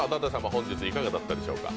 本日いかがだったでしょうか？